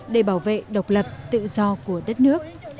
để bảo vệ độc lập tự do của đất nước